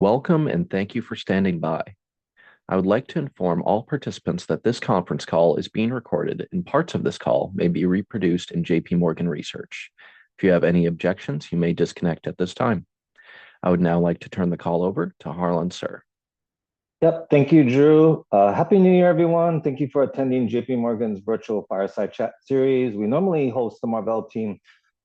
Welcome, and thank you for standing by. I would like to inform all participants that this conference call is being recorded, and parts of this call may be reproduced in JPMorgan research. If you have any objections, you may disconnect at this time. I would now like to turn the call over to Harlan Sur. Yep. Thank you, Drew. Happy New Year, everyone. Thank you for attending J.P. Morgan's Virtual Fireside Chat series. We normally host the Marvell team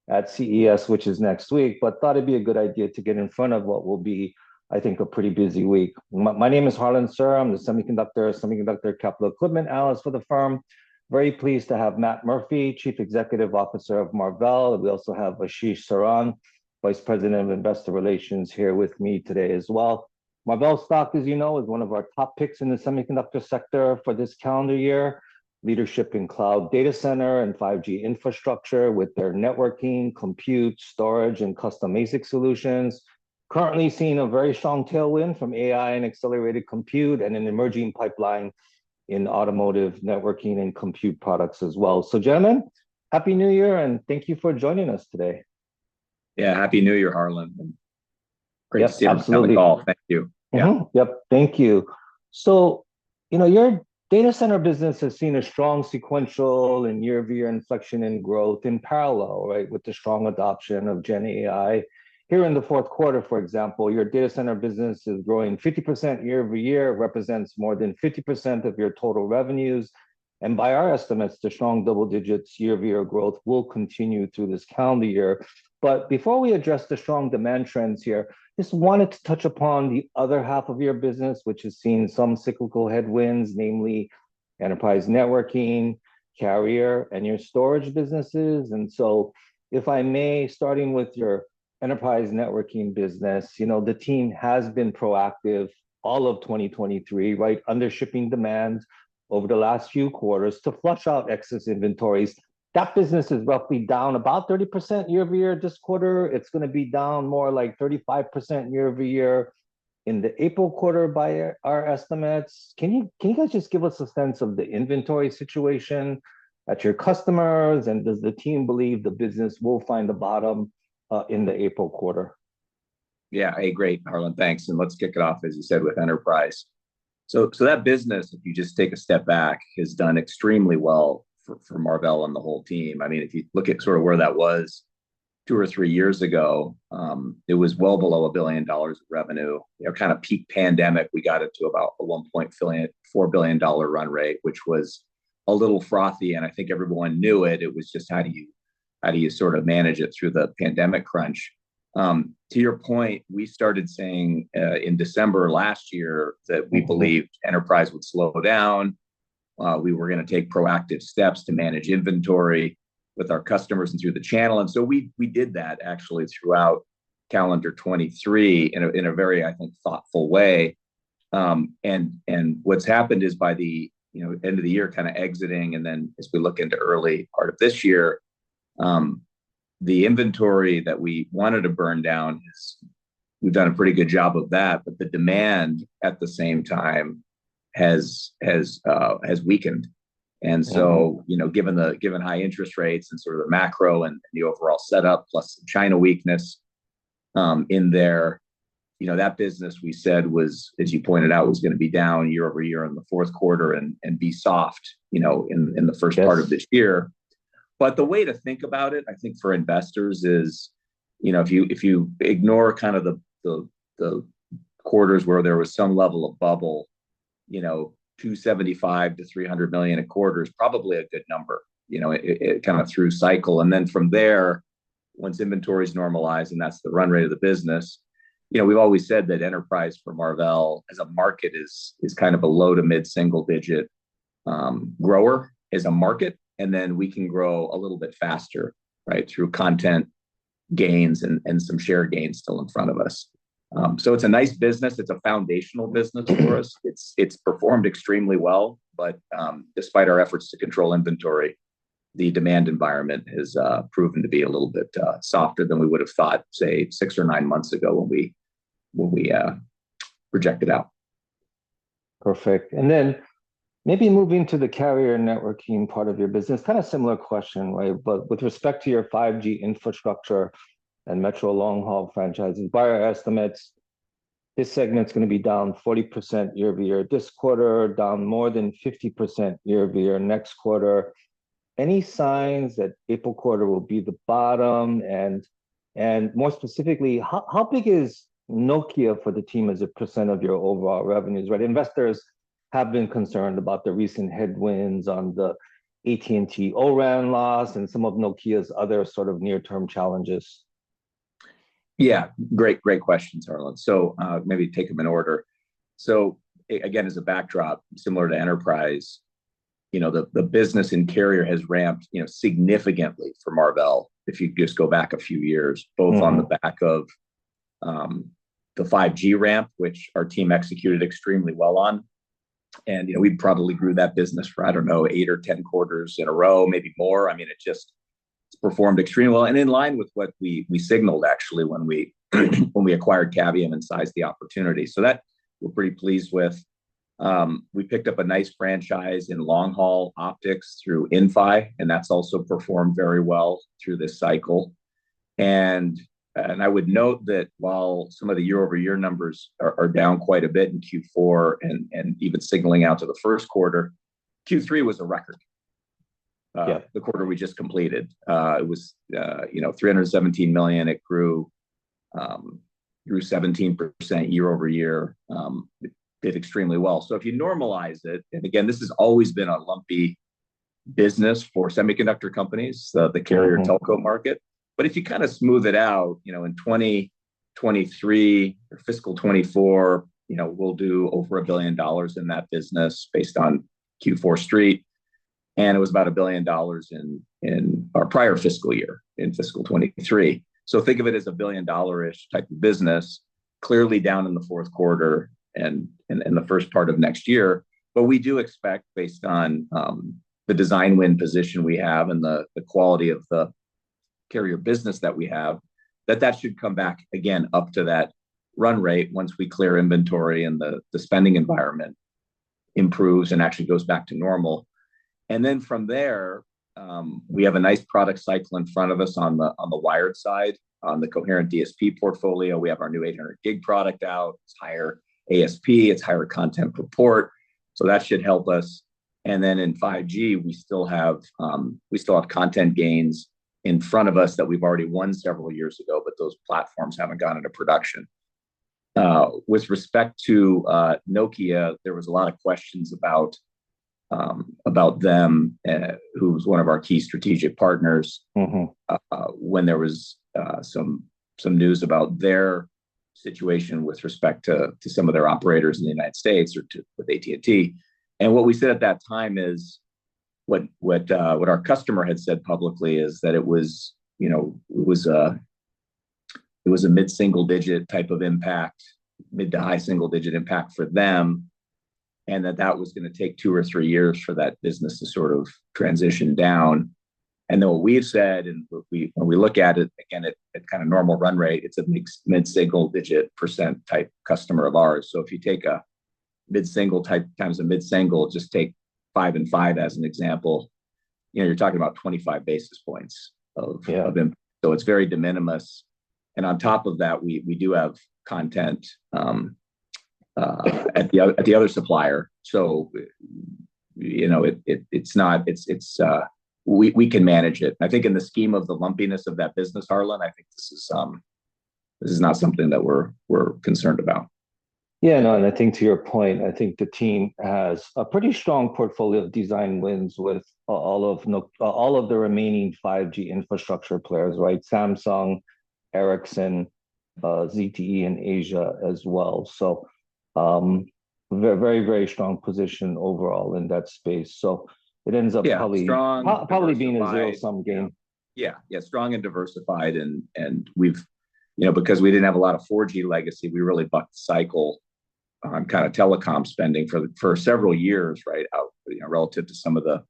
at CES, which is next week, but thought it'd be a good idea to get in front of what will be, I think, a pretty busy week. My name is Harlan Sur. I'm the semiconductor capital equipment analyst for the firm. Very pleased to have Matt Murphy, Chief Executive Officer of Marvell, and we also have Ashish Saran, Vice President of Investor Relations, here with me today as well. Marvell stock, as you know, is one of our top picks in the semiconductor sector for this calendar year. Leadership in cloud data center and 5G infrastructure with their networking, compute, storage, and custom ASIC solutions. Currently seeing a very strong tailwind from AI and accelerated compute, and an emerging pipeline in automotive networking and compute products as well. So, gentlemen, Happy New Year, and thank you for joining us today. Yeah, Happy New Year, Harlan, and great to see you- Yes, absolutely... on the call. Thank you. Yeah. Mm-hmm. Yep, thank you. So, you know, your data center business has seen a strong sequential and year-over-year inflection in growth in parallel, right, with the strong adoption of GenAI. Here in the fourth quarter, for example, your data center business is growing 50% year over year, represents more than 50% of your total revenues, and by our estimates, the strong double digits year-over-year growth will continue through this calendar year. But before we address the strong demand trends here, just wanted to touch upon the other half of your business, which has seen some cyclical headwinds, namely enterprise networking, carrier, and your storage businesses. And so, if I may, starting with your enterprise networking business, you know, the team has been proactive all of 2023, right, under shipping demands over the last few quarters to flush out excess inventories. That business is roughly down about 30% year-over-year this quarter. It's gonna be down more like 35% year-over-year in the April quarter by our, our estimates. Can you, can you guys just give us a sense of the inventory situation at your customers, and does the team believe the business will find the bottom in the April quarter? Yeah. Hey, great, Harlan. Thanks, and let's kick it off, as you said, with Enterprise. So that business, if you just take a step back, has done extremely well for Marvell and the whole team. I mean, if you look at sort of where that was two or three years ago, it was well below $1 billion of revenue. You know, kind of peak pandemic, we got it to about a $1.4 billion run rate, which was a little frothy, and I think everyone knew it. It was just how do you sort of manage it through the pandemic crunch? To your point, we started saying in December last year, that we believed- Mm-hmm... Enterprise would slow down. We were gonna take proactive steps to manage inventory with our customers and through the channel, and so we, we did that actually throughout calendar 2023 in a, in a very, I think, thoughtful way. And what's happened is by the, you know, end of the year, kind of exiting and then as we look into early part of this year, the inventory that we wanted to burn down is we've done a pretty good job of that, but the demand at the same time has weakened. Mm-hmm. And so, you know, given high interest rates and sort of the macro and the overall setup, plus China weakness, in there, you know, that business we said was, as you pointed out, was gonna be down year-over-year in the fourth quarter and be soft, you know, in the first part- Yes... of this year. But the way to think about it, I think, for investors is, you know, if you ignore kind of the quarters where there was some level of bubble, you know, $275 million-$300 million a quarter is probably a good number, you know, kind of through cycle. And then from there, once inventory is normalized, and that's the run rate of the business, you know, we've always said that Enterprise for Marvell as a market is kind of a low- to mid-single-digit grower as a market, and then we can grow a little bit faster, right, through content gains and some share gains still in front of us. So it's a nice business. It's a foundational business for us. It's performed extremely well, but despite our efforts to control inventory, the demand environment has proven to be a little bit softer than we would've thought, say, six or nine months ago when we project it out. Perfect. And then maybe moving to the carrier networking part of your business, kind of similar question, right? But with respect to your 5G infrastructure and Metro Long Haul franchises, by our estimates, this segment's gonna be down 40% year-over-year, this quarter, down more than 50% year-over-year next quarter. Any signs that April quarter will be the bottom? And more specifically, how big is Nokia for the team as a percent of your overall revenues, right? Investors have been concerned about the recent headwinds on the AT&T O-RAN loss and some of Nokia's other sort of near-term challenges. Yeah. Great, great questions, Harlan. So, maybe take them in order. So again, as a backdrop, similar to Enterprise, you know, the business in carrier has ramped, you know, significantly for Marvell, if you just go back a few years- Mm... both on the back of the 5G ramp, which our team executed extremely well on, and, you know, we probably grew that business for, I don't know, eight or 10 quarters in a row, maybe more. I mean, it just, it's performed extremely well and in line with what we, we signaled actually when we, when we acquired Cavium and sized the opportunity. So that we're pretty pleased with. We picked up a nice franchise in long-haul optics through Inphi, and that's also performed very well through this cycle. And, and I would note that while some of the year-over-year numbers are, are down quite a bit in Q4 and, and even signaling out to the first quarter, Q3 was a record. Yeah. The quarter we just completed. It was, you know, $317 million. It grew, grew 17% year-over-year. It did extremely well. So if you normalize it, and again, this has always been a lumpy business for semiconductor companies, the carrier- Mm-hmm telco market, but if you kind of smooth it out, you know, in 2023 or fiscal 2024, you know, we'll do over $1 billion in that business based on Q4 Street, and it was about $1 billion in our prior fiscal year, in fiscal 2023. So think of it as a billion-dollar-ish type of business, clearly down in the fourth quarter and in the first part of next year. But we do expect, based on the design win position we have and the quality of the carrier business that we have, that that should come back again up to that run rate once we clear inventory and the spending environment improves and actually goes back to normal. And then from there, we have a nice product cycle in front of us on the wired side. On the Coherent DSP portfolio, we have our new 800 gig product out. It's higher ASP, it's higher content per port, so that should help us. And then in 5G, we still have, we still have content gains in front of us that we've already won several years ago, but those platforms haven't gone into production. With respect to Nokia, there was a lot of questions about, about them, who's one of our key strategic partners- Mm-hmm... when there was some news about their situation with respect to some of their operators in the United States or to, with AT&T. And what we said at that time is what our customer had said publicly is that it was, you know, it was a mid-single-digit type of impact, mid- to high-single-digit impact for them, and that that was gonna take two or three years for that business to sort of transition down. And then what we've said, when we look at it, again, at kind of normal run rate, it's a mid-single-digit % type customer of ours. So if you take a mid-single type times a mid-single, just take five and five as an example, you know, you're talking about 25 basis points of- Yeah... of impact. So it's very de minimis, and on top of that, we do have content at the other supplier. So, you know, it, it's not—it's, we can manage it. I think in the scheme of the lumpiness of that business, Harlan, I think this is not something that we're concerned about. Yeah, no, and I think to your point, I think the team has a pretty strong portfolio of design wins with all of the remaining 5G infrastructure players, right? Samsung, Ericsson, ZTE in Asia as well. So, very, very strong position overall in that space. So it ends up- Yeah, strong- Probably, probably being a zero-sum game. Yeah. Yeah, strong and diversified, and we've... You know, because we didn't have a lot of 4G legacy, we really bucked the cycle on kind of telecom spending for several years, right, you know, relative to some of the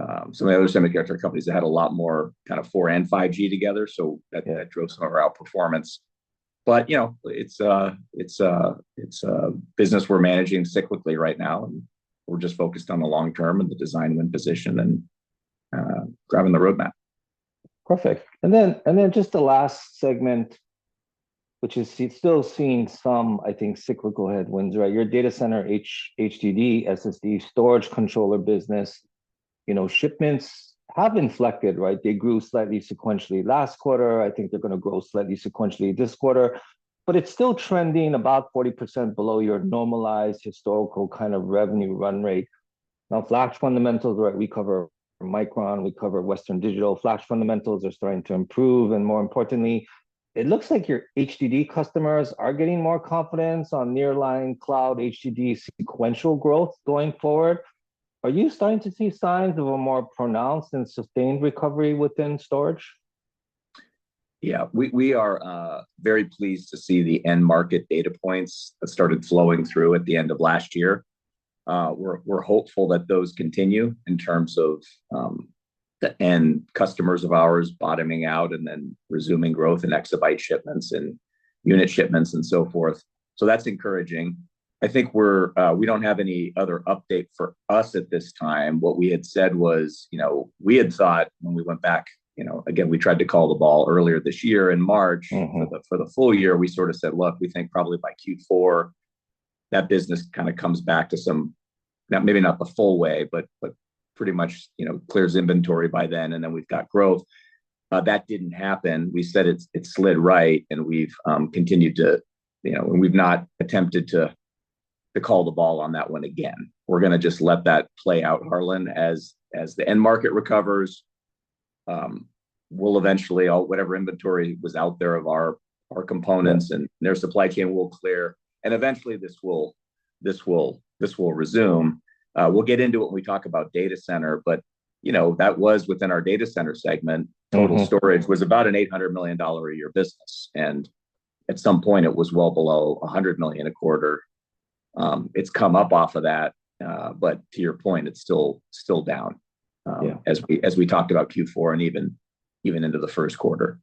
other semiconductor companies that had a lot more kind of 4G and 5G together. So- Yeah... that drove some of our outperformance. But, you know, it's a business we're managing cyclically right now, and we're just focused on the long term and the design win position and driving the roadmap. Perfect. And then just the last segment, which is still seeing some, I think, cyclical headwinds, right? Your data center, HDD, SSD storage controller business, you know, shipments have inflected, right? They grew slightly sequentially last quarter. I think they're gonna grow slightly sequentially this quarter. But it's still trending about 40% below your normalized historical kind of revenue run rate. Now, flash fundamentals, right, we cover Micron, we cover Western Digital. Flash fundamentals are starting to improve, and more importantly, it looks like your HDD customers are getting more confidence on nearline cloud HDD sequential growth going forward. Are you starting to see signs of a more pronounced and sustained recovery within storage? Yeah. We are very pleased to see the end market data points that started flowing through at the end of last year. We're hopeful that those continue in terms of the end customers of ours bottoming out and then resuming growth in exabyte shipments and unit shipments and so forth. So that's encouraging. I think we don't have any other update for us at this time. What we had said was, you know, we had thought when we went back, you know... Again, we tried to call the ball earlier this year in March- Mm-hmm... but for the full year, we sort of said, "Look, we think probably by Q4, that business kind of comes back to some, maybe not the full way, but, but pretty much, you know, clears inventory by then, and then we've got growth." That didn't happen. We said it, it slid right, and we've continued to... You know, and we've not attempted to call the ball on that one again. We're gonna just let that play out, Harlan. As the end market recovers, we'll eventually, all- whatever inventory was out there of our components and their supply chain will clear, and eventually, this will, this will, this will resume. We'll get into it when we talk about data center, but, you know, that was within our data center segment. Mm-hmm. Total storage was about an $800 million a year business, and at some point, it was well below $100 million a quarter. It's come up off of that, but to your point, it's still, still down- Yeah... as we talked about Q4 and even into the first quarter....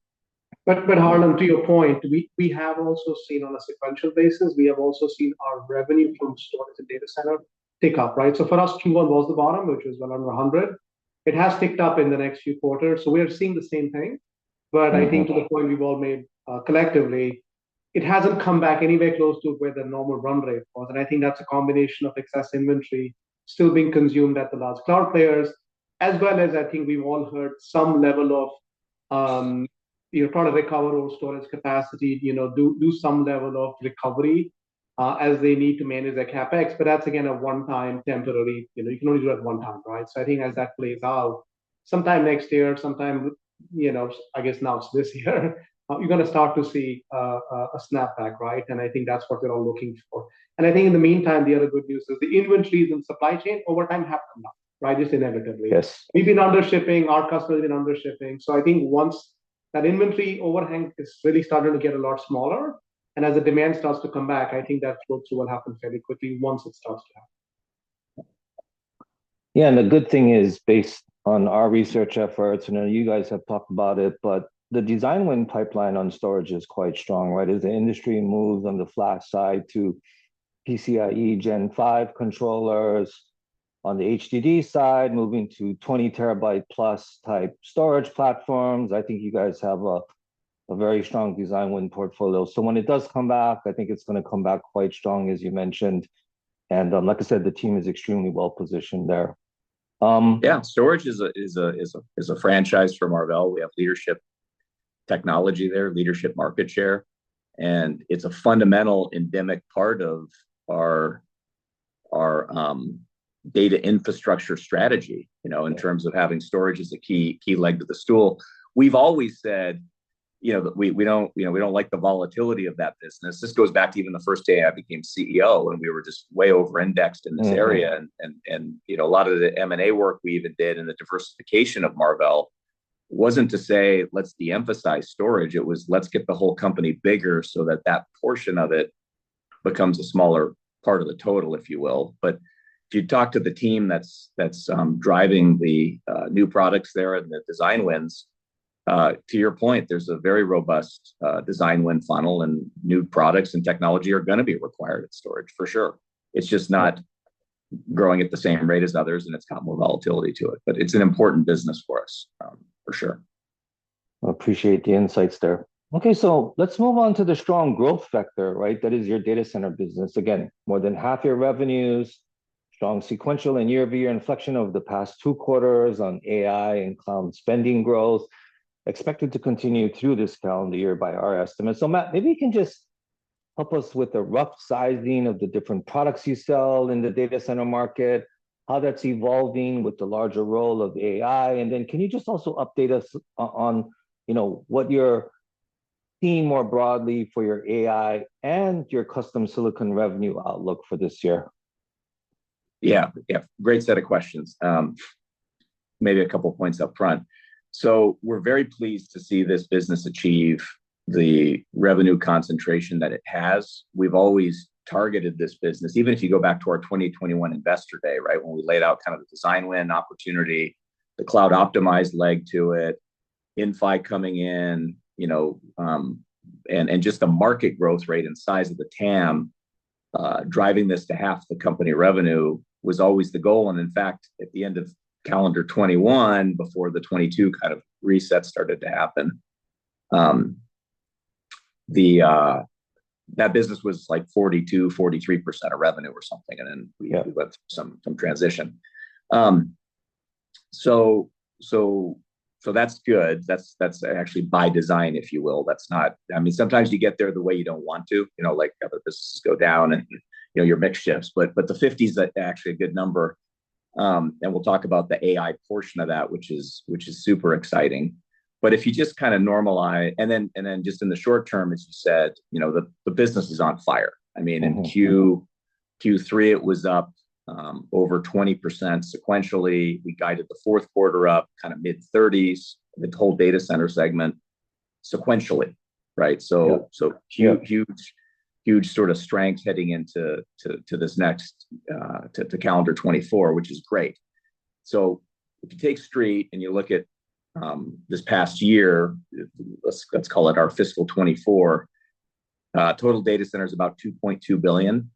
But, but Harlan, to your point, we, we have also seen on a sequential basis, we have also seen our revenue from storage and data center tick up, right? So for us, Q1 was the bottom, which was well under $100. It has ticked up in the next few quarters, so we are seeing the same thing. But I think to the point we've all made, collectively, it hasn't come back anywhere close to where the normal run rate was, and I think that's a combination of excess inventory still being consumed at the large cloud players, as well as I think we've all heard some level of, you know, try to recover old storage capacity. You know, do, do some level of recovery, as they need to manage their CapEx, but that's again, a one-time temporarily. You know, you can only do that one time, right? So I think as that plays out, sometime next year, sometime, you know, I guess now it's this year, you're gonna start to see a snapback, right? And I think that's what we're all looking for. And I think in the meantime, the other good news is the inventories and supply chain over time have come down, right? Just inevitably. Yes. We've been undershipping, our customers have been undershipping. So I think once that inventory overhang is really starting to get a lot smaller, and as the demand starts to come back, I think that's also what happens very quickly once it starts to happen. Yeah, and the good thing is, based on our research efforts, I know you guys have talked about it, but the design win pipeline on storage is quite strong, right? As the industry moves on the flash side to PCIe Gen 5 controllers, on the HDD side, moving to 20 TB plus type storage platforms, I think you guys have a very strong design win portfolio. So when it does come back, I think it's gonna come back quite strong, as you mentioned, and, like I said, the team is extremely well positioned there. Yeah, storage is a franchise for Marvell. We have leadership technology there, leadership market share, and it's a fundamental endemic part of our data infrastructure strategy, you know, in terms of having storage as a key leg to the stool. We've always said, you know, that we don't, you know, we don't like the volatility of that business. This goes back to even the first day I became CEO, and we were just way over indexed in this area. Mm-hmm. You know, a lot of the M&A work we even did and the diversification of Marvell wasn't to say, "Let's de-emphasize storage," it was, "Let's get the whole company bigger so that that portion of it becomes a smaller part of the total," if you will. But if you talk to the team that's driving the new products there and the design wins, to your point, there's a very robust design win funnel, and new products and technology are gonna be required at storage, for sure. It's just not growing at the same rate as others, and it's got more volatility to it, but it's an important business for us, for sure. I appreciate the insights there. Okay, so let's move on to the strong growth vector, right? That is your data center business. Again, more than half your revenues, strong sequential and year-over-year inflection over the past two quarters on AI and cloud spending growth, expected to continue through this calendar year by our estimate. So Matt, maybe you can just help us with a rough sizing of the different products you sell in the data center market, how that's evolving with the larger role of AI, and then can you just also update us on, you know, what you're seeing more broadly for your AI and your custom silicon revenue outlook for this year? Yeah, yeah. Great set of questions. Maybe a couple points up front. So we're very pleased to see this business achieve the revenue concentration that it has. We've always targeted this business, even if you go back to our 2021 investor day, right? When we laid out kind of the design win opportunity, the cloud-optimized leg to it, Inphi coming in, you know, and just the market growth rate and size of the TAM, driving this to half the company revenue was always the goal, and in fact, at the end of calendar 2021, before the 2022 kind of reset started to happen, that business was like 42%-43% of revenue or something, and then- Yeah... we went through some transition. So that's good. That's actually by design, if you will. That's not. I mean, sometimes you get there the way you don't want to, you know, like have the businesses go down and, you know, your mix shifts, but the 50s is actually a good number. And we'll talk about the AI portion of that, which is super exciting. But if you just kind of normalize and then just in the short term, as you said, you know, the business is on fire. Mm-hmm. I mean, in Q3, it was up over 20% sequentially. We guided the fourth quarter up, kind of mid-30s, the total data center segment, sequentially, right? Yep. So, so huge, huge, huge sort of strength heading into this next calendar 2024, which is great. So if you take Street and you look at this past year, let's call it our fiscal 2024, total data center is about $2.2 billion.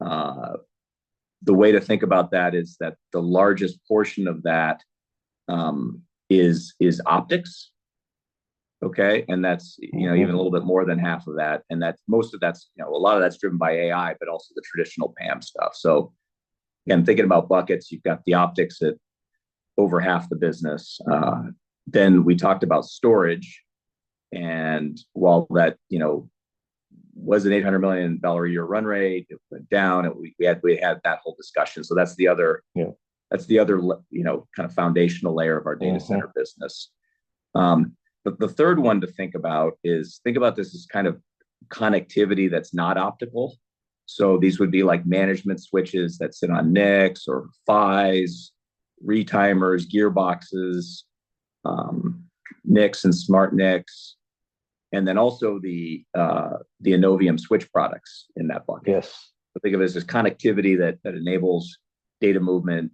The way to think about that is that the largest portion of that is optics, okay? And that's- Mm-hmm... you know, even a little bit more than half of that, and that's, most of that's, you know, a lot of that's driven by AI, but also the traditional PAM stuff. So again, thinking about buckets, you've got the optics at over half the business. Then we talked about storage, and while that, you know, was an $800 million a year run rate, it went down. We had that whole discussion, so that's the other- Yeah... that's the other you know, kind of foundational layer of our data center business. Mm-hmm. But the third one to think about is, think about this as kind of connectivity that's not optical. So these would be like management switches that sit on NICs or PHYs, retimers, gearboxes, NICs and SmartNICs, and then also the Innovium switch products in that bucket. Yes. So think of it as this connectivity that enables data movement,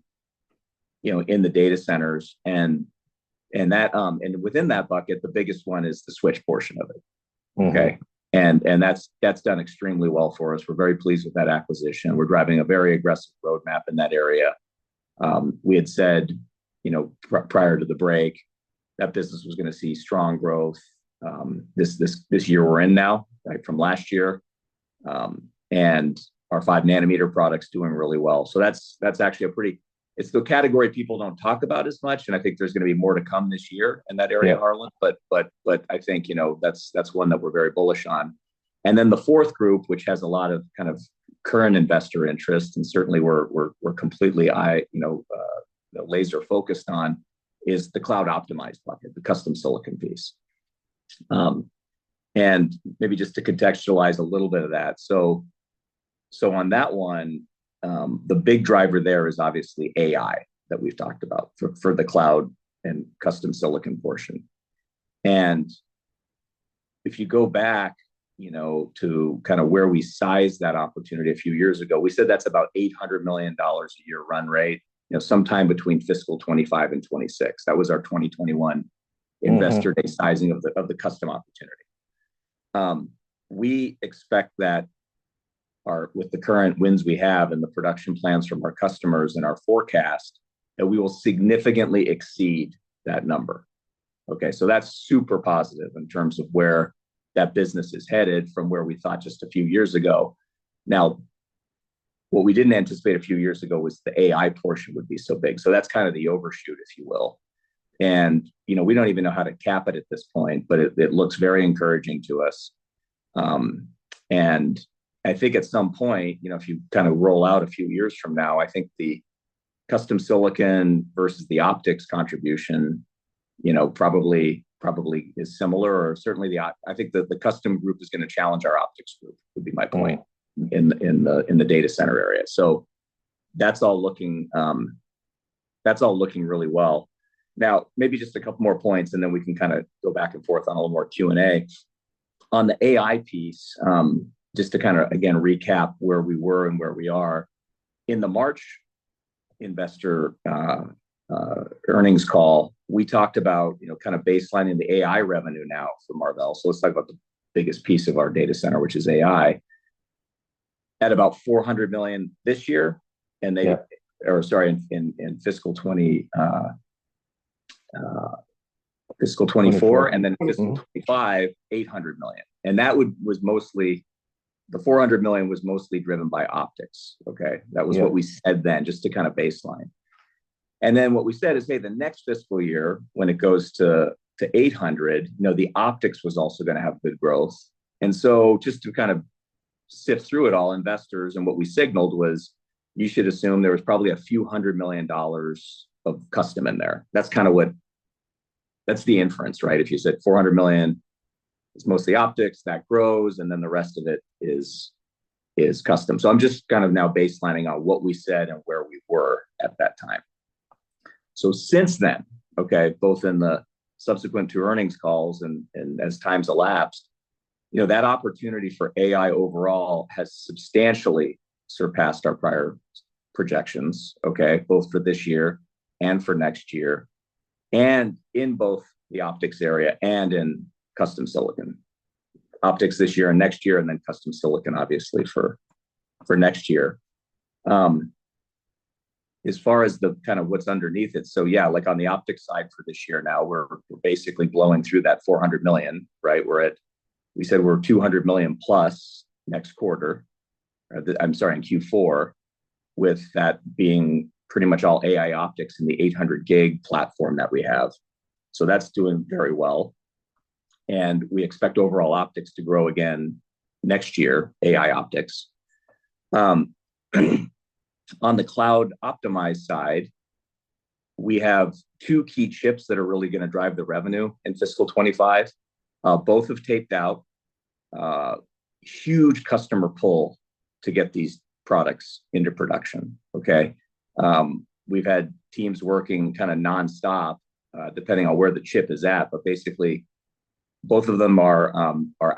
you know, in the data centers, and that, and within that bucket, the biggest one is the switch portion of it. Mm-hmm. Okay? And that's done extremely well for us. We're very pleased with that acquisition. We're driving a very aggressive roadmap in that area. We had said, you know, prior to the break, that business was gonna see strong growth this year we're in now, right, from last year. And our five nanometer product's doing really well. So that's actually a pretty—it's the category people don't talk about as much, and I think there's gonna be more to come this year in that area, Harlan. Yeah. But, but, but I think, you know, that's, that's one that we're very bullish on. And then the 4th group, which has a lot of kind of current investor interest, and certainly we're, we're, we're completely, you know, laser-focused on, is the cloud-optimized bucket, the custom silicon piece. And maybe just to contextualize a little bit of that, so, so on that one, the big driver there is obviously AI, that we've talked about, for, for the cloud and custom silicon portion. And if you go back, you know, to kind of where we sized that opportunity a few years ago, we said that's about $800 million a year run rate, you know, sometime between fiscal 2025 and 2026. That was our 2021- Mm-hmm ...investor day sizing of the custom opportunity. We expect that with the current wins we have and the production plans from our customers and our forecast, that we will significantly exceed that number, okay? So that's super positive in terms of where that business is headed from where we thought just a few years ago. Now, what we didn't anticipate a few years ago was the AI portion would be so big, so that's kind of the overshoot, if you will. And, you know, we don't even know how to cap it at this point, but it looks very encouraging to us. And I think at some point, you know, if you kind of roll out a few years from now, I think the custom silicon versus the optics contribution, you know, probably is similar, or certainly I think the custom group is gonna challenge our optics group, would be my point. Yeah... in the data center area. So that's all looking really well. Now, maybe just a couple more points, and then we can kind of go back and forth on a little more Q&A. On the AI piece, just to kind of, again, recap where we were and where we are, in the March investor earnings call, we talked about, you know, kind of baselining the AI revenue now for Marvell. So let's talk about the biggest piece of our data center, which is AI. At about $400 million this year, and they- Yeah... Or sorry, in fiscal 2024, and then- Mm-hmm... fiscal 2025, $800 million. And that was mostly, the $400 million was mostly driven by optics, okay? Yeah. That was what we said then, just to kind of baseline. And then what we said is, hey, the next fiscal year, when it goes to 800, you know, the optics was also gonna have good growth. And so just to kind of sift through it all, investors, and what we signaled was, you should assume there was probably $a few hundred million of custom in there. That's kind of what- that's the inference, right? If you said $400 million, it's mostly optics, that grows, and then the rest of it is custom. So I'm just kind of now baselining on what we said and where we were at that time. So since then, okay, both in the subsequent two earnings calls and, and as time's elapsed, you know, that opportunity for AI overall has substantially surpassed our prior projections, okay, both for this year and for next year, and in both the optics area and in custom silicon. Optics this year and next year, and then custom silicon, obviously, for, for next year. As far as the kind of what's underneath it, so yeah, like on the optics side for this year now, we're, we're basically blowing through that $400 million, right? We're at- we said we're $200 million plus next quarter, or the- I'm sorry, in Q4, with that being pretty much all AI optics in the 800 gig platform that we have. So that's doing very well, and we expect overall optics to grow again next year, AI optics. On the cloud-optimized side, we have two key chips that are really gonna drive the revenue in fiscal 2025. Both have taped out, huge customer pull to get these products into production, okay? We've had teams working kind of nonstop, depending on where the chip is at, but basically, both of them are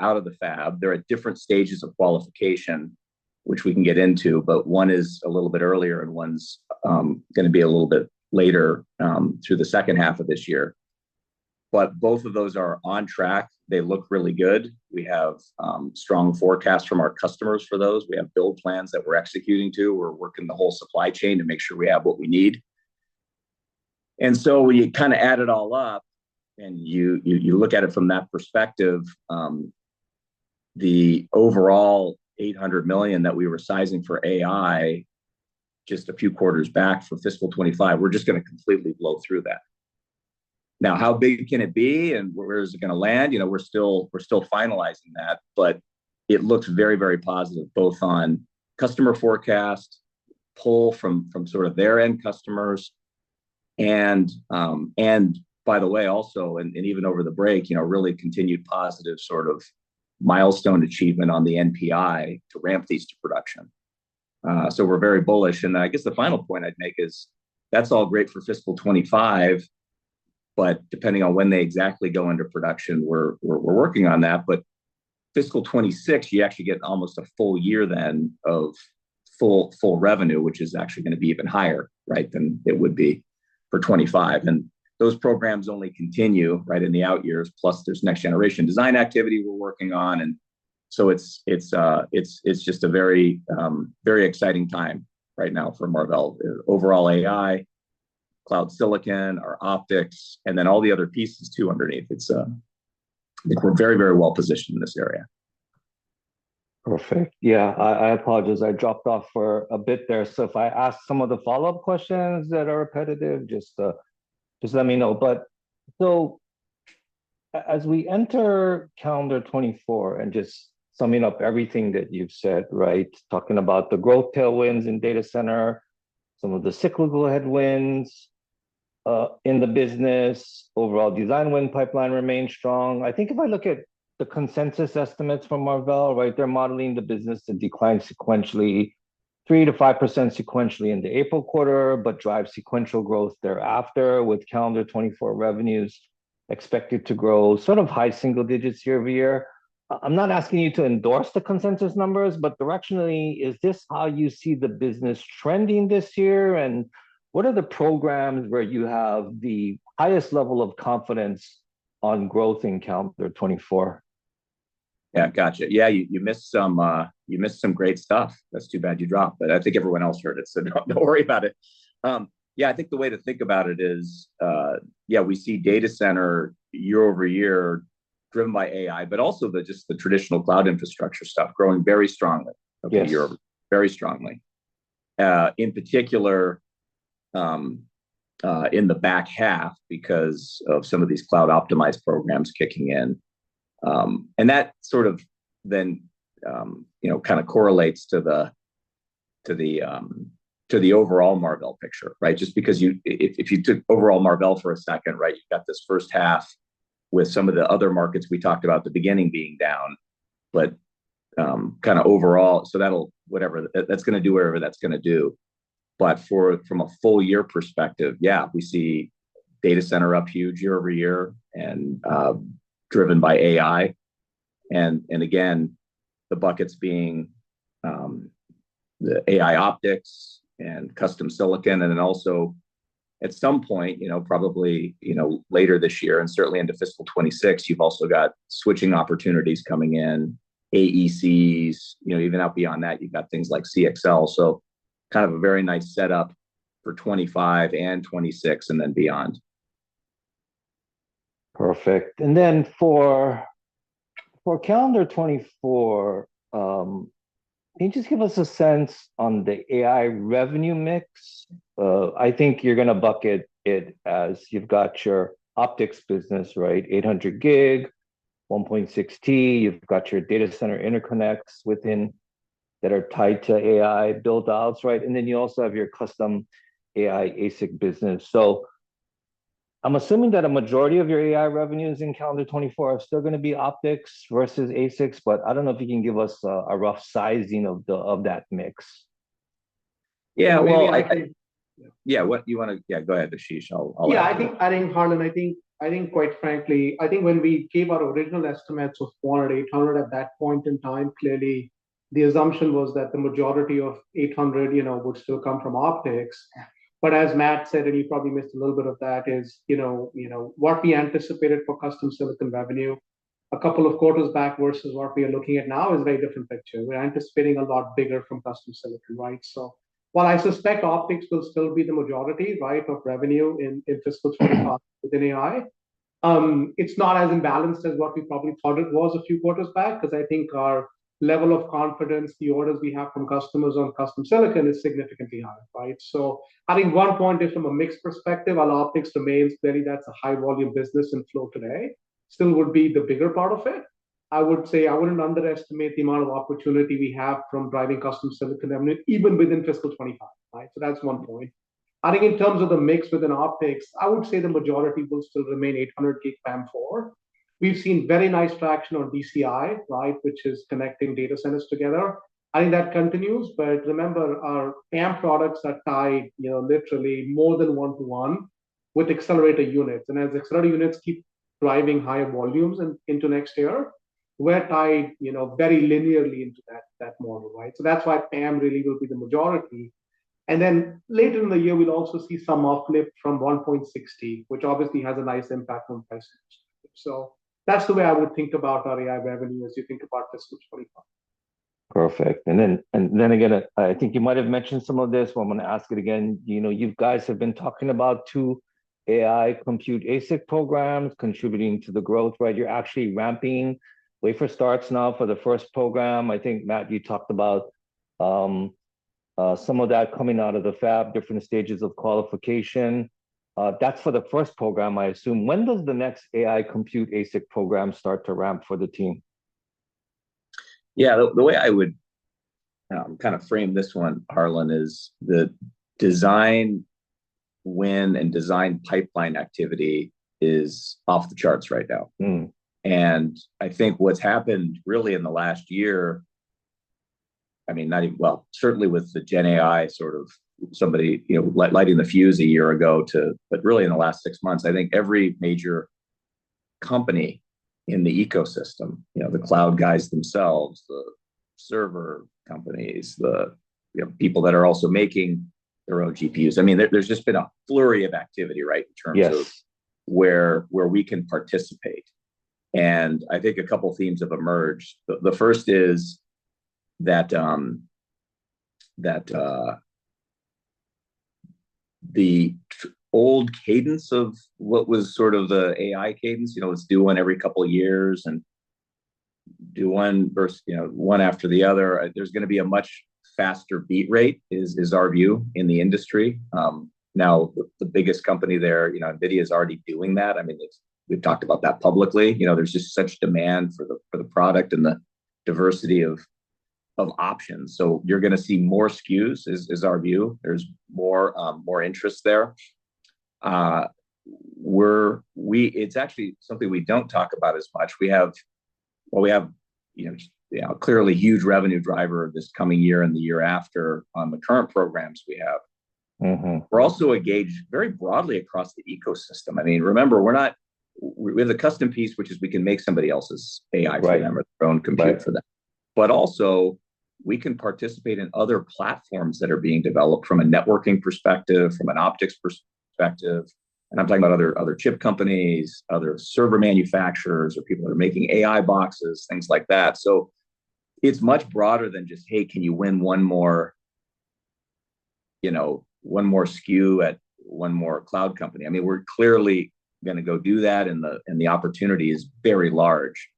out of the fab. They're at different stages of qualification, which we can get into, but one is a little bit earlier, and one's gonna be a little bit later through the second half of this year. But both of those are on track. They look really good. We have strong forecasts from our customers for those. We have build plans that we're executing to. We're working the whole supply chain to make sure we have what we need. And so when you kind of add it all up, and you look at it from that perspective, the overall $800 million that we were sizing for AI just a few quarters back for fiscal 2025, we're just gonna completely blow through that. Now, how big can it be, and where is it gonna land? You know, we're still finalizing that, but it looks very, very positive, both on customer forecast, pull from sort of their end customers, and by the way, also, and even over the break, you know, really continued positive sort of milestone achievement on the NPI to ramp these to production. So we're very bullish, and I guess the final point I'd make is, that's all great for fiscal 2025, but depending on when they exactly go into production, we're working on that. But fiscal 2026, you actually get almost a full year then of full, full revenue, which is actually gonna be even higher, right, than it would be for 2025. And those programs only continue right in the out years, plus there's next generation design activity we're working on. And so it's just a very, very exciting time right now for Marvell. Overall AI, cloud silicon, our optics, and then all the other pieces, too, underneath. It's, I think we're very, very well positioned in this area. Perfect. Yeah, I apologize, I dropped off for a bit there. So if I ask some of the follow-up questions that are repetitive, just let me know. But as we enter calendar 2024, and just summing up everything that you've said, right? Talking about the growth tailwinds in data center, some of the cyclical headwinds in the business, overall design win pipeline remains strong. I think if I look at the consensus estimates from Marvell, right, they're modeling the business to decline sequentially 3%-5% sequentially in the April quarter, but drive sequential growth thereafter, with calendar 2024 revenues expected to grow sort of high single digits year-over-year. I'm not asking you to endorse the consensus numbers, but directionally, is this how you see the business trending this year? What are the programs where you have the highest level of confidence on growth in calendar 2024? Yeah, gotcha. Yeah, you, you missed some, you missed some great stuff. That's too bad you dropped, but I think everyone else heard it, so don't worry about it. Yeah, I think the way to think about it is, yeah, we see data center year over year driven by AI, but also the just the traditional cloud infrastructure stuff growing very strongly- Yes over the year. Very strongly. In particular, in the back half because of some of these cloud-optimized programs kicking in. And that sort of then, you know, kind of correlates to the overall Marvell picture, right? Just because if, if you took overall Marvell for a second, right, you've got this first half with some of the other markets we talked about the beginning being down, but, kind of overall, so that'll... Whatever. That's gonna do whatever that's gonna do. But from a full year perspective, yeah, we see data center up huge year-over-year and, driven by AI. Again, the buckets being the AI optics and custom silicon, and then also, at some point, you know, probably, you know, later this year, and certainly into fiscal 2026, you've also got switching opportunities coming in, AECs. You know, even out beyond that, you've got things like CXL, so kind of a very nice setup for 2025 and 2026, and then beyond. Perfect. And then for calendar 2024, can you just give us a sense on the AI revenue mix? I think you're gonna bucket it as you've got your optics business, right, 800 gig, 1.6 T. You've got your data center interconnects within that are tied to AI build outs, right? And then you also have your custom AI ASIC business. So I'm assuming that a majority of your AI revenues in calendar 2024 are still gonna be optics versus ASICs, but I don't know if you can give us a rough sizing of that mix. Yeah, well, I- Maybe- Yeah, what you wanna... Yeah, go ahead, Ashish. I'll, I'll wait. Yeah, I think, Harlan, quite frankly, when we gave our original estimates of $400-$800 at that point in time, clearly the assumption was that the majority of 800, you know, would still come from optics. But as Matt said, and you probably missed a little bit of that, you know, what we anticipated for custom silicon revenue a couple of quarters back versus what we are looking at now is a very different picture. We're anticipating a lot bigger from custom silicon, right? So while I suspect optics will still be the majority, right, of revenue in fiscal 2025 within AI, it's not as imbalanced as what we probably thought it was a few quarters back, 'cause I think our level of confidence, the orders we have from customers on custom silicon is significantly higher, right? So I think one point is from a mix perspective, while optics remains, clearly that's a high volume business and flow today, still would be the bigger part of it. I would say I wouldn't underestimate the amount of opportunity we have from driving custom silicon revenue, even within fiscal 2025, right? So that's one point. I think in terms of the mix within optics, I would say the majority will still remain 800G PAM4. We've seen very nice traction on DCI, right, which is connecting data centers together. I think that continues, but remember, our PAM products are tied, you know, literally more than 1-to-1 with accelerator units. And as accelerator units keep driving higher volumes and into next year, we're tied, you know, very linearly into that, that model, right? So that's why PAM really will be the majority. And then later in the year, we'll also see some uplift from 1.6 T, which obviously has a nice impact on price. So that's the way I would think about our AI revenue as you think about fiscal 2025. Perfect. And then again, I think you might have mentioned some of this, but I'm gonna ask it again. You know, you guys have been talking about two AI compute ASIC programs contributing to the growth, right? You're actually ramping wafer starts now for the first program. I think, Matt, you talked about some of that coming out of the fab, different stages of qualification. That's for the first program, I assume. When does the next AI compute ASIC program start to ramp for the team? Yeah, the way I would kind of frame this one, Harlan, is the design win and design pipeline activity is off the charts right now. Mm. And I think what's happened really in the last year... I mean, not even, well, certainly with the GenAI sort of somebody, you know, lighting the fuse a year ago, but really in the last six months, I think every major company in the ecosystem, you know, the cloud guys themselves, the server companies, the, you know, people that are also making their own GPUs. I mean, there, there's just been a flurry of activity, right? In terms of- Yes... where we can participate. And I think a couple of themes have emerged. The first is that the old cadence of what was sort of the AI cadence, you know, let's do one every couple of years and do one versus, you know, one after the other. There's gonna be a much faster beat rate, is our view in the industry. Now, the biggest company there, you know, NVIDIA's already doing that. I mean, it's we've talked about that publicly. You know, there's just such demand for the product and the diversity of options. So you're gonna see more SKUs, is our view. There's more interest there. We're It's actually something we don't talk about as much. We have, well, we have, you know, a clearly huge revenue driver this coming year and the year after on the current programs we have. Mm-hmm. We're also engaged very broadly across the ecosystem. I mean, remember, we're not. We have a custom piece, which is we can make somebody else's AI- Right... for them, or their own compute for them. But also, we can participate in other platforms that are being developed from a networking perspective, from an optics perspective, and I'm talking about other, other chip companies, other server manufacturers, or people that are making AI boxes, things like that. So it's much broader than just, "Hey, can you win one more, you know, one more SKU at one more cloud company?" I mean, we're clearly gonna go do that, and the, and the opportunity is very large.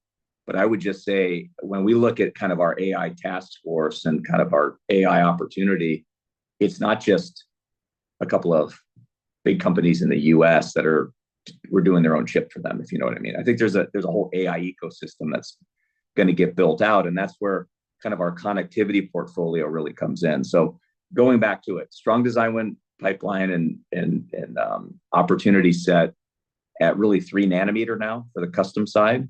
But I would just say, when we look at kind of our AI task force and kind of our AI opportunity, it's not just a couple of big companies in the U.S. that are, we're doing their own chip for them, if you know what I mean. I think there's a whole AI ecosystem that's gonna get built out, and that's where kind of our connectivity portfolio really comes in. So going back to it, strong design win pipeline and opportunity set at really 3nm now for the custom side.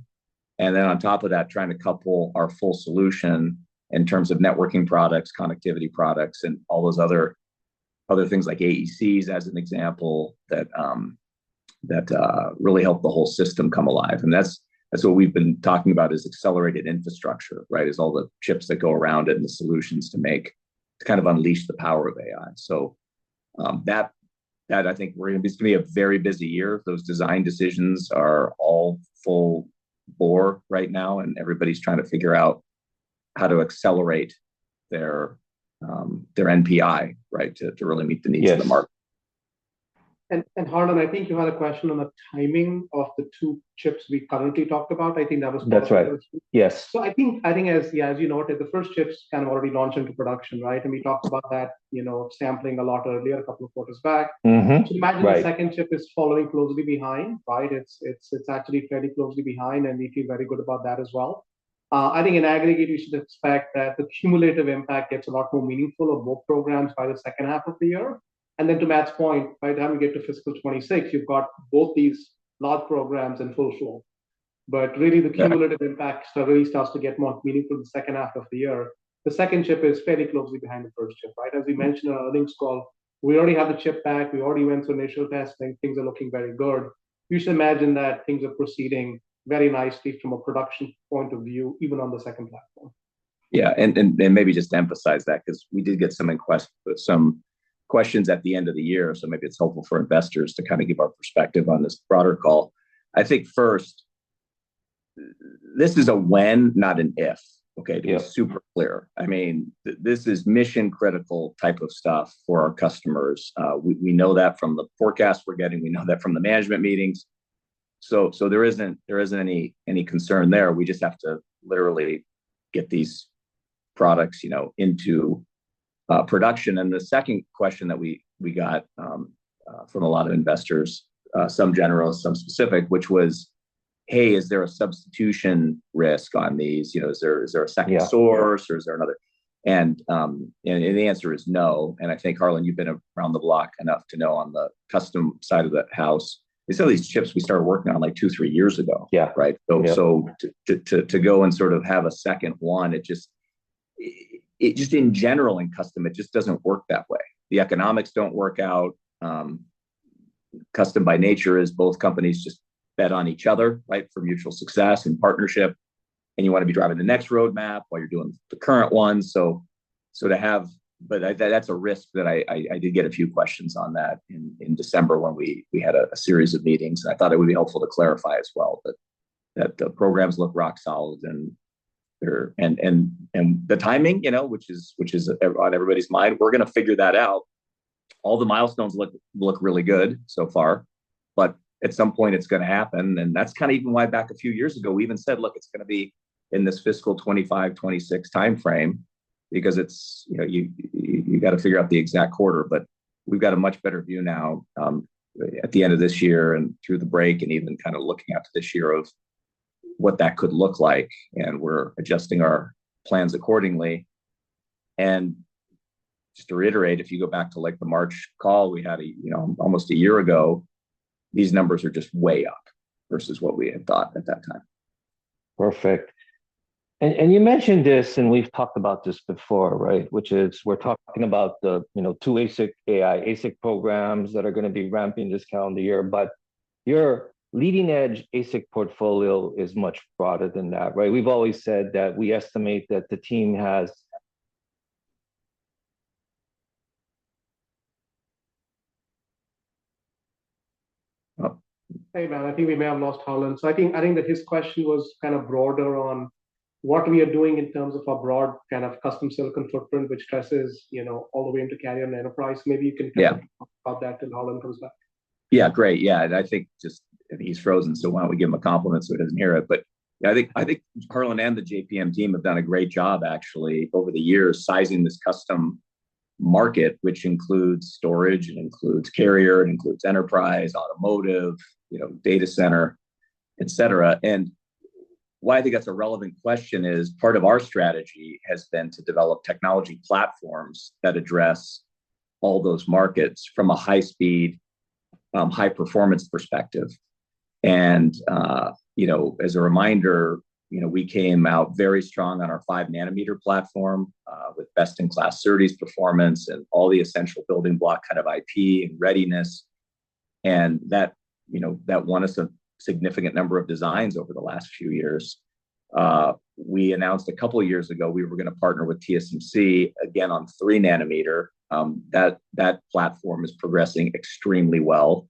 And then on top of that, trying to couple our full solution in terms of networking products, connectivity products, and all those other things like AECs, as an example, that really help the whole system come alive. And that's what we've been talking about, is accelerated infrastructure, right? Is all the chips that go around it and the solutions to make, to kind of unleash the power of AI. So, that I think we're gonna. It's gonna be a very busy year. Those design decisions are all full bore right now, and everybody's trying to figure out how to accelerate their, their NPI, right, to, to really meet the needs of the market. Yes. Harlan, I think you had a question on the timing of the two chips we currently talked about. I think that was part of your question. That's right. Yes. So I think as you noted, the first chips kind of already launched into production, right? And we talked about that, you know, sampling a lot earlier, a couple of quarters back. Mm-hmm. Right. So imagine the second chip is following closely behind, right? It's, it's, it's actually fairly closely behind, and we feel very good about that as well. I think in aggregate, you should expect that the cumulative impact gets a lot more meaningful of both programs by the second half of the year. And then to Matt's point, by the time we get to fiscal 2026, you've got both these large programs in full flow. But really- Yeah... the cumulative impact really starts to get more meaningful in the second half of the year. The second chip is fairly closely behind the first chip, right? As we mentioned on our earnings call, we already have the chip back. We already went through initial testing. Things are looking very good. You should imagine that things are proceeding very nicely from a production point of view, even on the second platform. Yeah, and then maybe just to emphasize that, 'cause we did get some interest—some questions at the end of the year, so maybe it's helpful for investors to kind of give our perspective on this broader call. I think first, this is a when, not an if, okay? Yeah. To be super clear. I mean, this is mission-critical type of stuff for our customers. We know that from the forecasts we're getting, we know that from the management meetings. So, there isn't any concern there. We just have to literally get these products, you know, into production. And the second question that we got from a lot of investors, some general, some specific, which was: Hey, is there a substitution risk on these? You know, is there a second source- Yeah... or is there another? The answer is no. I think, Harlan, you've been around the block enough to know on the custom side of the house, some of these chips we started working on, like, two, three years ago. Yeah. Right? Yeah. So, to go and sort of have a second one, it just in general in custom, it just doesn't work that way. The economics don't work out. Custom by nature is both companies just bet on each other, right, for mutual success and partnership, and you wanna be driving the next roadmap while you're doing the current one. So, to have... But that's a risk that I did get a few questions on that in December when we had a series of meetings, and I thought it would be helpful to clarify as well that the programs look rock solid, and they're... And the timing, you know, which is even on everybody's mind, we're gonna figure that out. All the milestones look really good so far, but at some point it's gonna happen. That's kind of even why back a few years ago, we even said, "Look, it's gonna be in this fiscal 2025, 2026 timeframe, because it's, you know, you gotta figure out the exact quarter." But we've got a much better view now at the end of this year and through the break, and even kind of looking out to this year, of what that could look like, and we're adjusting our plans accordingly. Just to reiterate, if you go back to, like, the March call we had, you know, almost a year ago, these numbers are just way up versus what we had thought at that time. Perfect. And you mentioned this, and we've talked about this before, right? Which is we're talking about the, you know, two ASIC AI, ASIC programs that are gonna be ramping this calendar year. But your leading-edge ASIC portfolio is much broader than that, right? We've always said that we estimate that the team has- Hey, man, I think we may have lost Harlan. So I think, I think that his question was kind of broader on what we are doing in terms of our broad kind of custom silicon footprint, which stresses, you know, all the way into carrier and enterprise. Maybe you can- Yeah talk about that until Harlan comes back. Yeah, great. Yeah, and I think just, I think he's frozen, so why don't we give him a compliment so he doesn't hear it? But yeah, I think, I think Harlan and the JPM team have done a great job, actually, over the years, sizing this custom market, which includes storage, it includes carrier, it includes enterprise, automotive, you know, data center, et cetera. And why I think that's a relevant question is, part of our strategy has been to develop technology platforms that address all those markets from a high speed, high performance perspective. And, you know, as a reminder, you know, we came out very strong on our 5 nanometer platform, with best-in-class SerDes performance and all the essential building block kind of IP and readiness. And that, you know, that won us a significant number of designs over the last few years. We announced a couple of years ago we were gonna partner with TSMC again on 3 nanometer. That platform is progressing extremely well.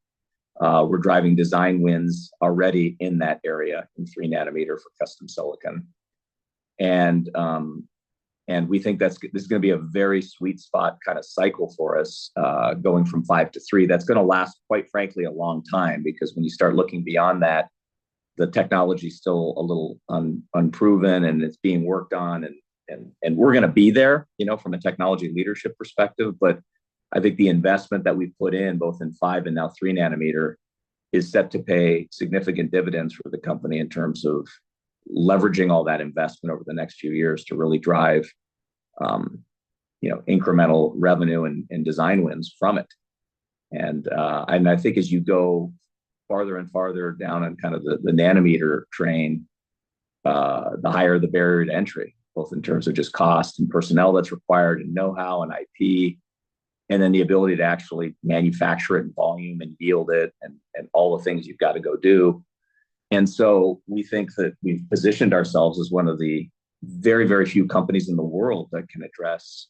We're driving design wins already in that area, in 3 nanometer for custom silicon. And we think this is gonna be a very sweet spot kind of cycle for us, going from 5 to 3. That's gonna last, quite frankly, a long time, because when you start looking beyond that, the technology's still a little unproven, and it's being worked on. And we're gonna be there, you know, from a technology leadership perspective. But I think the investment that we've put in, both in five and now 3 nanometer, is set to pay significant dividends for the company in terms of leveraging all that investment over the next few years to really drive, you know, incremental revenue and, and design wins from it. And, and I think as you go farther and farther down on kind of the, the nanometer train, the higher the barrier to entry, both in terms of just cost and personnel that's required, and know-how and IP, and then the ability to actually manufacture it in volume and yield it, and, and all the things you've got to go do. And so we think that we've positioned ourselves as one of the very, very few companies in the world that can address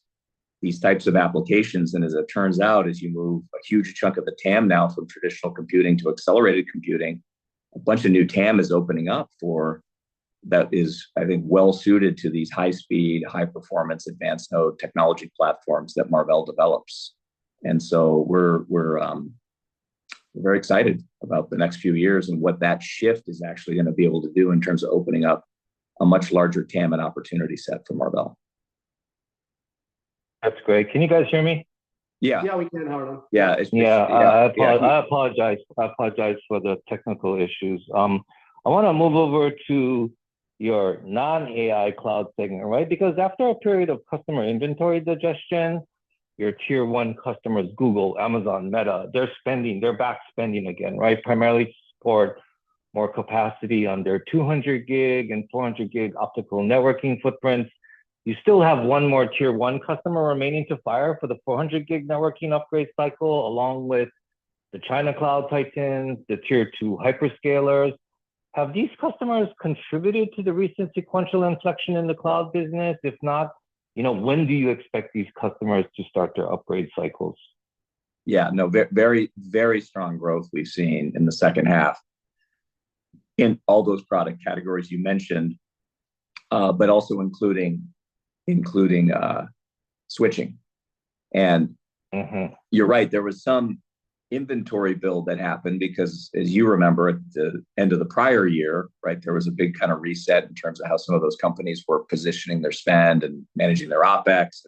these types of applications. As it turns out, as you move a huge chunk of the TAM now from traditional computing to accelerated computing, a bunch of new TAM is opening up for... That is, I think, well suited to these high-speed, high-performance advanced node technology platforms that Marvell develops. And so we're very excited about the next few years and what that shift is actually gonna be able to do in terms of opening up a much larger TAM and opportunity set for Marvell. That's great. Can you guys hear me? Yeah. Yeah, we can, Harlan. Yeah, it's- Yeah, I apologize, I apologize for the technical issues. I wanna move over to your non-AI cloud segment, right? Because after a period of customer inventory digestion, your tier one customers, Google, Amazon, Meta, they're spending, they're back spending again, right? Primarily to support more capacity on their 200 gig and 400 gig optical networking footprints. You still have one more tier one customer remaining to hire for the 400 gig networking upgrade cycle, along with the China cloud titans, the tier two hyperscalers. Have these customers contributed to the recent sequential inflection in the cloud business? If not, you know, when do you expect these customers to start their upgrade cycles? Yeah, no, very, very strong growth we've seen in the second half in all those product categories you mentioned, but also including switching. And- Mm-hmm... you're right, there was some inventory build that happened because, as you remember, at the end of the prior year, right, there was a big kind of reset in terms of how some of those companies were positioning their spend and managing their OpEx,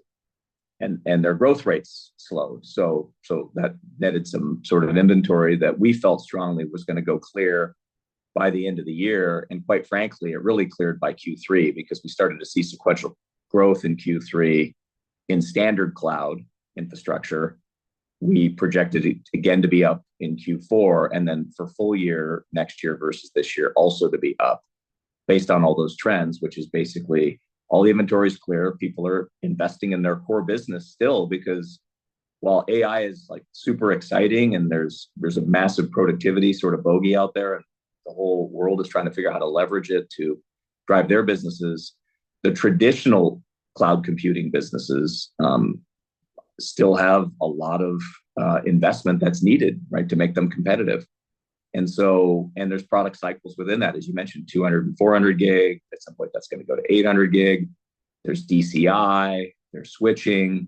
and, and their growth rates slowed. So, so that netted some sort of inventory that we felt strongly was gonna go clear by the end of the year, and quite frankly, it really cleared by Q3, because we started to see sequential growth in Q3 in standard cloud infrastructure. We projected it again to be up in Q4, and then for full year, next year versus this year, also to be up based on all those trends, which is basically all the inventory is clear. People are investing in their core business still, because while AI is, like, super exciting and there's, there's a massive productivity sort of bogey out there, and the whole world is trying to figure out how to leverage it to drive their businesses, the traditional cloud computing businesses still have a lot of investment that's needed, right, to make them competitive. And so there's product cycles within that. As you mentioned, 200 gig and 400 gig, at some point, that's gonna go to 800 gig. There's DCI, there's switching.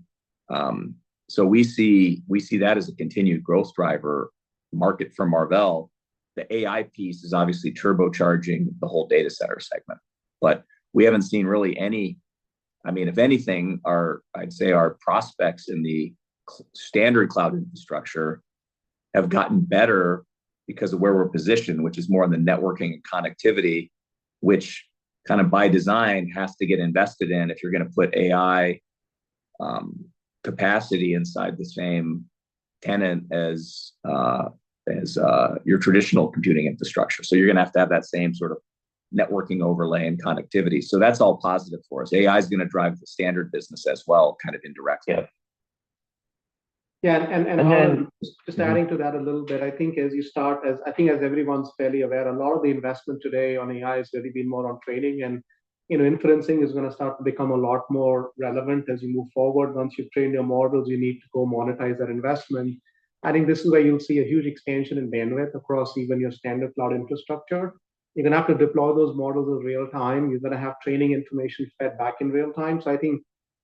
So we see, we see that as a continued growth driver market for Marvell. The AI piece is obviously turbocharging the whole data center segment, but we haven't seen really any... I mean, if anything, I'd say our prospects in the standard cloud infrastructure... have gotten better because of where we're positioned, which is more on the networking and connectivity, which kind of by design has to get invested in if you're gonna put AI capacity inside the same tenant as your traditional computing infrastructure. So you're gonna have to have that same sort of networking overlay and connectivity. So that's all positive for us. AI's gonna drive the standard business as well, kind of indirectly. Yeah. Yeah, Harlan, just adding to that a little bit, I think as everyone's fairly aware, a lot of the investment today on AI has really been more on training, and, you know, inferencing is gonna start to become a lot more relevant as you move forward. Once you've trained your models, you need to go monetize that investment. I think this is where you'll see a huge expansion in bandwidth across even your standard cloud infrastructure. You're gonna have to deploy those models in real time. You're gonna have training information fed back in real time. So I think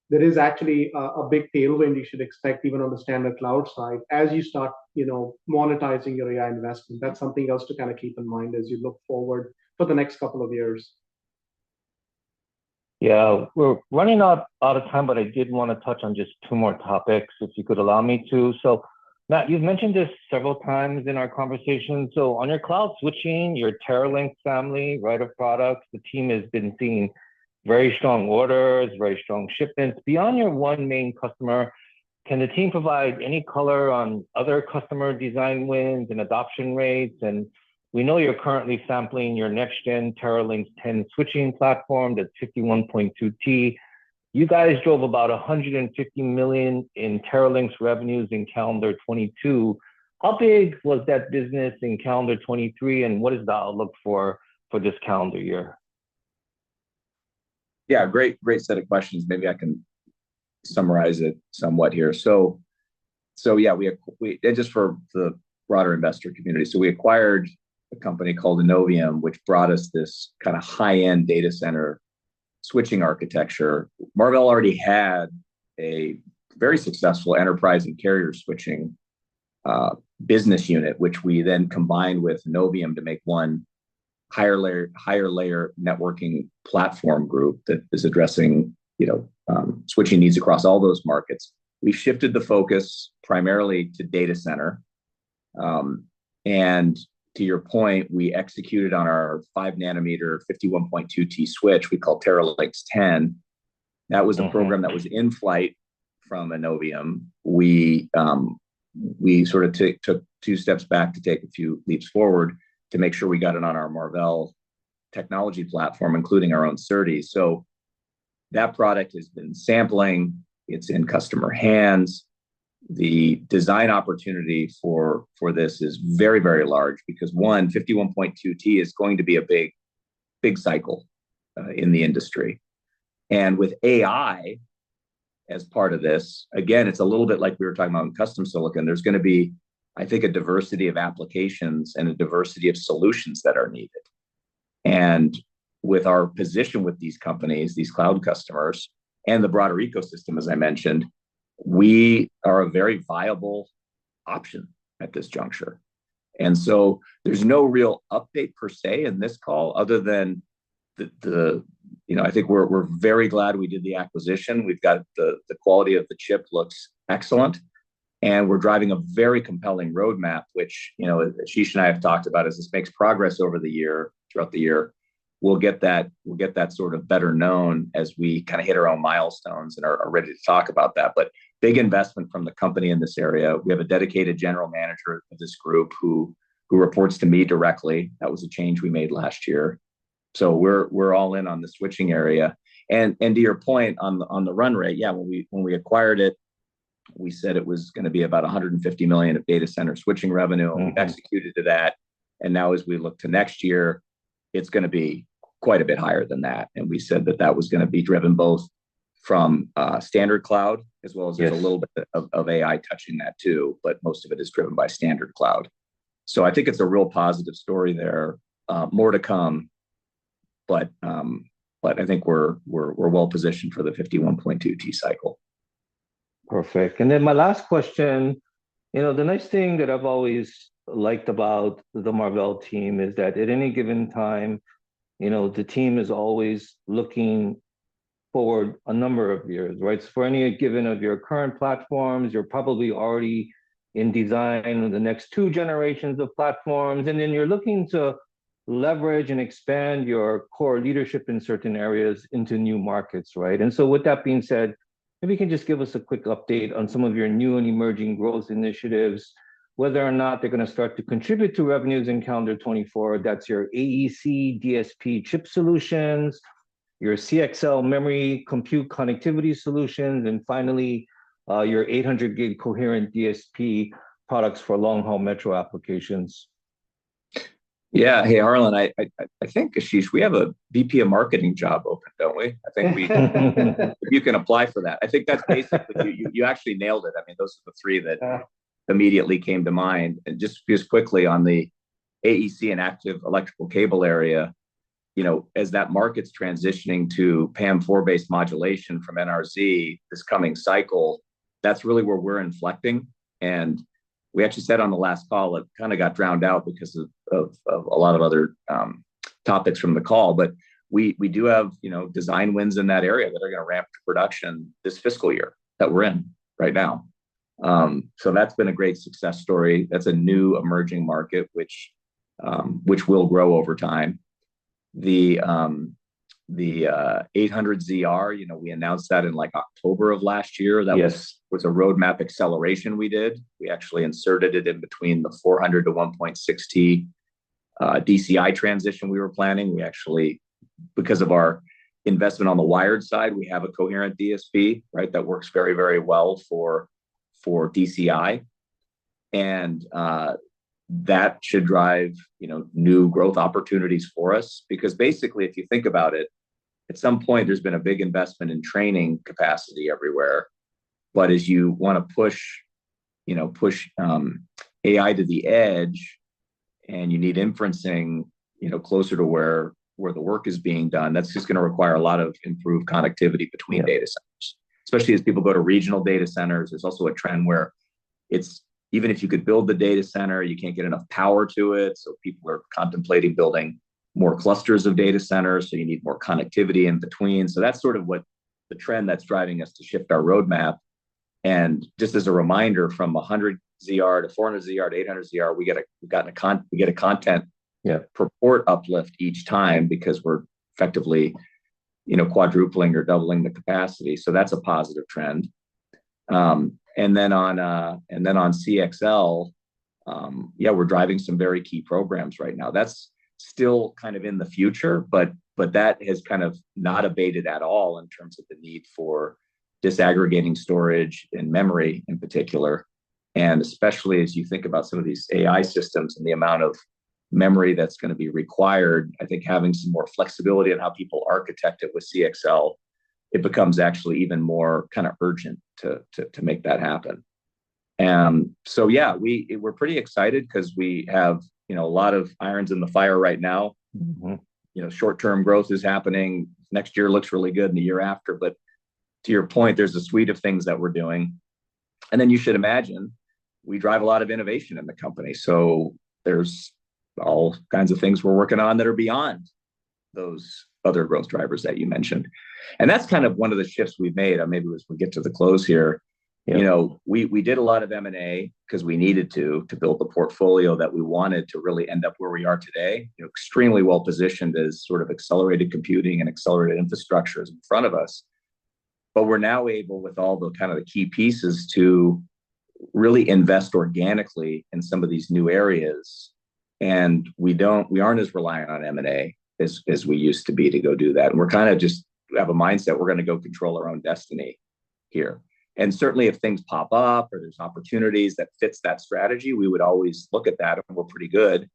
there is actually a big tailwind you should expect, even on the standard cloud side, as you start, you know, monetizing your AI investment. That's something else to kind of keep in mind as you look forward for the next couple of years. Yeah. We're running out of time, but I did want to touch on just two more topics, if you could allow me to. So Matt, you've mentioned this several times in our conversation. So on your cloud switching, your Teralynx family, right, of products, the team has been seeing very strong orders, very strong shipments. Beyond your one main customer, can the team provide any color on other customer design wins and adoption rates? And we know you're currently sampling your next-gen Teralynx 10 switching platform, that's 51.2T. You guys drove about $150 million in Teralynx revenues in calendar 2022. How big was that business in calendar 2023, and what does that look for this calendar year? Yeah, great, great set of questions. Maybe I can summarize it somewhat here. So, yeah, and just for the broader investor community, so we acquired a company called Innovium, which brought us this kind of high-end data center switching architecture. Marvell already had a very successful enterprise and carrier switching business unit, which we then combined with Innovium to make one higher layer, higher layer networking platform group that is addressing, you know, switching needs across all those markets. We've shifted the focus primarily to data center. And to your point, we executed on our 5nm, 51.2T switch we call Teralynx 10. Mm-hmm. That was the program that was in flight from Innovium. We sort of took two steps back to take a few leaps forward to make sure we got it on our Marvell Technology platform, including our own SerDes. So that product has been sampling. It's in customer hands. The design opportunity for this is very, very large because, one, 51.2T is going to be a big, big cycle in the industry. And with AI as part of this, again, it's a little bit like we were talking about in custom silicon. There's gonna be, I think, a diversity of applications and a diversity of solutions that are needed. And with our position with these companies, these cloud customers, and the broader ecosystem, as I mentioned, we are a very viable option at this juncture. And so there's no real update per se in this call, other than the you know, I think we're very glad we did the acquisition. We've got the... The quality of the chip looks excellent, and we're driving a very compelling roadmap, which, you know, Ashish and I have talked about as this makes progress over the year, throughout the year. We'll get that, we'll get that sort of better known as we kind of hit our own milestones and are ready to talk about that. But big investment from the company in this area. We have a dedicated general manager of this group who reports to me directly. That was a change we made last year. So we're all in on the switching area. To your point on the run rate, yeah, when we acquired it, we said it was gonna be about $150 million of data center switching revenue. Mm-hmm. Executed to that, and now as we look to next year, it's gonna be quite a bit higher than that. And we said that that was gonna be driven both from standard cloud, as well as- Yes... a little bit of AI touching that too, but most of it is driven by standard cloud. So I think it's a real positive story there. More to come, but I think we're well positioned for the 51.2 T cycle. Perfect. And then my last question, you know, the nice thing that I've always liked about the Marvell team is that at any given time, you know, the team is always looking forward a number of years, right? So for any given of your current platforms, you're probably already in design of the next two generations of platforms, and then you're looking to leverage and expand your core leadership in certain areas into new markets, right? And so with that being said, if you can just give us a quick update on some of your new and emerging growth initiatives, whether or not they're gonna start to contribute to revenues in calendar 2024. That's your AEC, DSP chip solutions, your CXL memory compute connectivity solutions, and finally, your 800 gig coherent DSP products for long-haul metro applications. Yeah. Hey, Harlan, I think, Ashish, we have a VP of marketing job open, don't we? I think we... You can apply for that. I think that's basically you actually nailed it. I mean, those are the three that- Yeah... immediately came to mind. And just quickly on the AEC and active electrical cable area, you know, as that market's transitioning to PAM4-based modulation from NRZ this coming cycle, that's really where we're inflecting. And we actually said on the last call, it kind of got drowned out because of a lot of other topics from the call, but we do have, you know, design wins in that area that are gonna ramp to production this fiscal year that we're in right now. So that's been a great success story. That's a new emerging market, which will grow over time. The 800ZR, you know, we announced that in like October of last year- Yes. That was a roadmap acceleration we did. We actually inserted it in between the 400 to 1.6T DCI transition we were planning. We actually, because of our investment on the wired side, we have a coherent DSP, right? That works very, very well for DCI, and that should drive, you know, new growth opportunities for us. Because basically, if you think about it, at some point, there's been a big investment in training capacity everywhere, but as you wanna push, you know, push AI to the edge, and you need inferencing, you know, closer to where the work is being done, that's just gonna require a lot of improved connectivity between data centers. Especially as people go to regional data centers, there's also a trend where it's... Even if you could build the data center, you can't get enough power to it, so people are contemplating building more clusters of data centers, so you need more connectivity in between. So that's sort of what the trend that's driving us to shift our roadmap. And just as a reminder, from 100ZR to 400ZR to 800ZR, we get a content- Yeah... per-port uplift each time because we're effectively, you know, quadrupling or doubling the capacity, so that's a positive trend. And then on CXL, yeah, we're driving some very key programs right now. That's still kind of in the future, but that has kind of not abated at all in terms of the need for disaggregating storage and memory in particular, and especially as you think about some of these AI systems and the amount of memory that's gonna be required, I think having some more flexibility in how people architect it with CXL, it becomes actually even more kind of urgent to make that happen. And so, yeah, we're pretty excited 'cause we have, you know, a lot of irons in the fire right now. Mm-hmm. You know, short-term growth is happening. Next year looks really good, and the year after, but to your point, there's a suite of things that we're doing. And then you should imagine, we drive a lot of innovation in the company. So there's all kinds of things we're working on that are beyond those other growth drivers that you mentioned, and that's kind of one of the shifts we've made, and maybe as we get to the close here- Yeah... you know, we did a lot of M&A 'cause we needed to build the portfolio that we wanted to really end up where we are today. You know, extremely well-positioned as sort of accelerated computing and accelerated infrastructure is in front of us. But we're now able, with all the kind of the key pieces, to really invest organically in some of these new areas, and we don't, we aren't as reliant on M&A as we used to be to go do that, and we're kind of just have a mindset we're gonna go control our own destiny here. And certainly, if things pop up or there's opportunities that fits that strategy, we would always look at that, and we're pretty good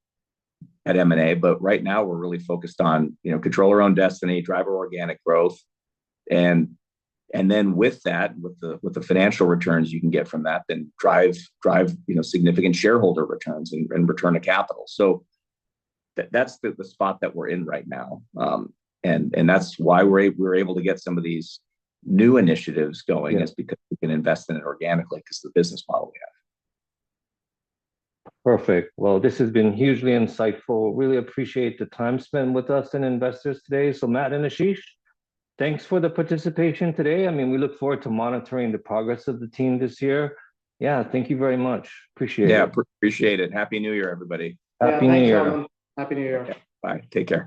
at M&A. But right now, we're really focused on, you know, control our own destiny, drive our organic growth, and then with that, with the financial returns you can get from that, then drive, you know, significant shareholder returns and return to capital. So that's the spot that we're in right now, and that's why we're able to get some of these new initiatives going- Yeah... is because we can invest in it organically, 'cause of the business model we have. Perfect. Well, this has been hugely insightful. Really appreciate the time spent with us and investors today. So Matt and Ashish, thanks for the participation today. I mean, we look forward to monitoring the progress of the team this year. Yeah, thank you very much. Appreciate it. Yeah, appreciate it.